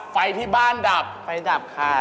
ไฟที่บ้านดับไฟดับค่ะ